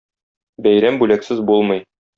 Бәйрәм бүләксез булмый.